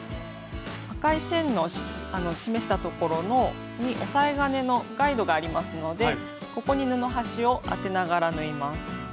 赤い線の示したところに押さえ金のガイドがありますのでここに布端を当てながら縫います。